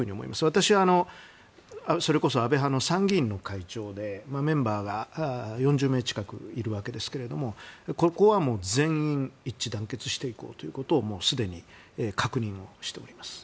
私はそれこそ安倍派の参議院の会長でメンバーが４０名近くいるわけですがここは全員一致団結していこうということをすでに確認しております。